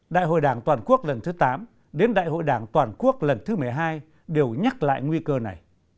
đại hội đảng toàn quốc lần thứ tám đến đại hội đảng toàn quốc lần thứ một mươi hai đều nhắc lại nguy cơ này